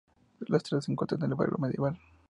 Las tres se encuentran en el barrio medieval.